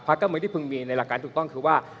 ภาคการเมืองที่เพิ่งมีในหลักการที่ถูกต้องคือว่า